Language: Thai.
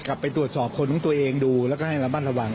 ไปตรวจสอบคนของตัวเองดูแล้วก็ให้ระมัดระวัง